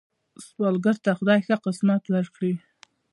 سوالګر ته خدای ښه قسمت ورکړي